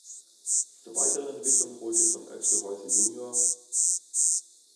Zur weiteren Entwicklung holte von Oechelhäuser jun.